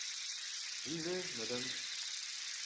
J’y vais, madame.